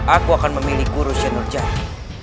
aku akan memilih guru syenur jati